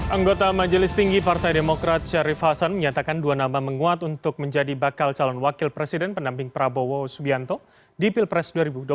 anggota majelis tinggi partai demokrat syarif hasan menyatakan dua nama menguat untuk menjadi bakal calon wakil presiden pendamping prabowo subianto di pilpres dua ribu dua puluh empat